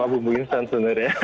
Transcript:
tapi cuma bumbu instan sebenarnya